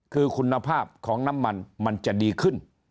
คือคุณภาพของน้ำมันมันจะดีขึ้น